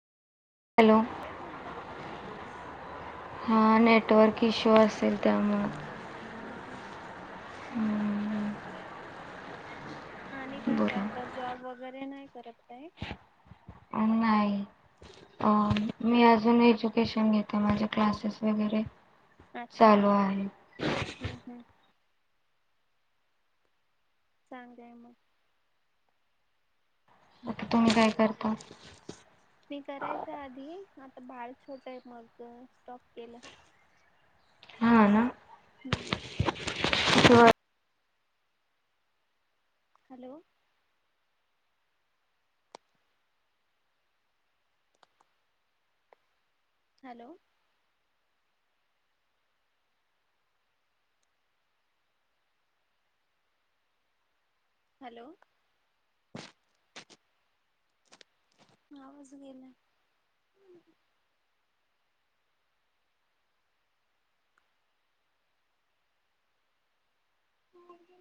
Hello cut झाला का phone? ह नेट नेटवर्क इशू असेल त्यामुळं हूं हूं! हूं हूं! आणि काय करताय, जॉब वगैरे नाही करत काय? नाही अ मी अजून एज्युकेशन घेते माझे क्लासेस वगैरे अच्छा चालू हाय हम्म हम्म चांगलं आहेय मग तुम्ही काय करता मी करायचं आधी आता बाळ छोटं आहे मग स्टॉप केलं. हा ना हम्म [inaudible] व्हय हॅलो हॅलो हॅलो आवाज गेलाय. [inaudible]